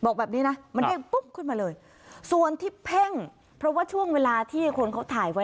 บอกแบบนี้นะมันเพ่งปุ๊บขึ้นมาเลยส่วนที่เพ่งเพราะว่าช่วงเวลาที่คนเขาถ่ายไว้